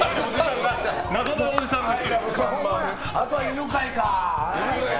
あとは犬飼か。